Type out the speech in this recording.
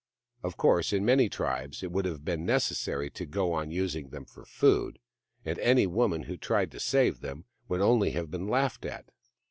Of course, in many tribes it would have been necessary to go on using them for food, and any woman who tried to save them would only have been laughed at.